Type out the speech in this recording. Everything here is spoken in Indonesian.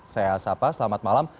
saya sapa selamat malam